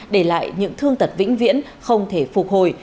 để lại những thương tật vĩnh viễn không thể phục hồi